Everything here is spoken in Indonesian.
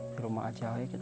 di rumah aja gitu